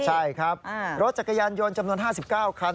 ใช่ครับรถจักรยานยนต์จำนวน๕๙คัน